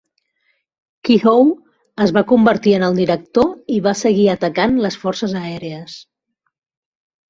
Keyhoe es va convertir en el director i va seguir atacant les Forces Aèries.